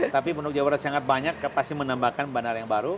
tapi penduduk jawa barat sangat banyak pasti menambahkan bandara yang baru